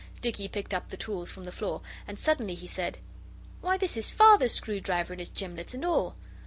Dicky picked up the tools from the floor, and suddenly he said 'Why, this is Father's screwdriver and his gimlets, and all!